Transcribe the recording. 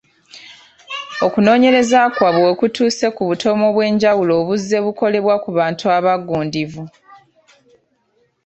Okunoonyereza kwabwe we kutuuse ku butemu obwenjawulo obuzze bukolebwa ku bantu abagundiivu.